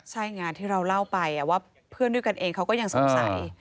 ใช่งานที่เราเล่าไปว่าเพื่อนด้วยกันเองเขาก็ยังสงสัย